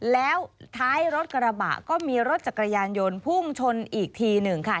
แล้วท้ายรถกระบะก็มีรถจักรยานยนต์พุ่งชนอีกทีหนึ่งค่ะ